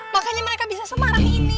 makanya mereka bisa semarah ini